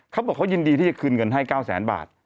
เขาบอกเขายินดีที่จะคืนเงินให้๙แสนบาท